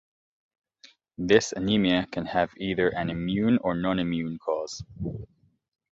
This anemia can have either an immune or non-immune cause.